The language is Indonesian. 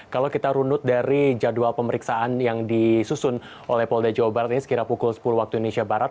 kalau kita runut dari jadwal pemeriksaan yang disusun oleh polda jawa barat ini sekira pukul sepuluh waktu indonesia barat